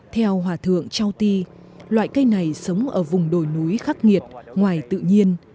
theo hòa thượng châu ti loại cây này sống ở vùng đồi núi khắc nghiệt ngoài tự nhiên